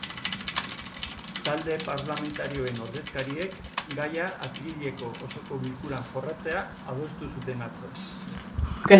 Talde parlamentarioen ordezkariek gaia apirileko osoko bilkuran jorratzea adostu zuten atzo.